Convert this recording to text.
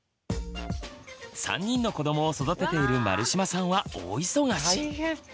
３人の子どもを育てている丸島さんは大忙し。